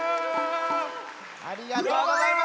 ありがとうございます。